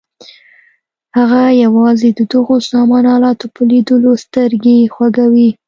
هغه یوازې د دغو سامان الاتو په لیدلو سترګې خوږوي.